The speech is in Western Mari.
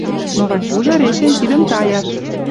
Но Ватюжы решен тидӹм таяш: